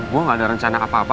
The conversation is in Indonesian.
gue gak ada rencana apa apa